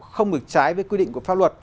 không ngực trái với quy định của pháp luật